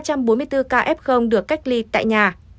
ba trăm bốn mươi bốn ca f được cách ly tại nhà